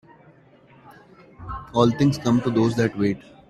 All things come to those that wait.